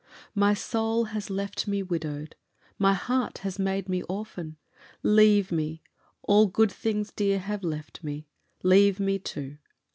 My soul has left me widowed, my heart has made me orphan, Leave me all good things, dear, have left me leave me too!